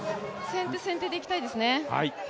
先手先手でいきたいですね。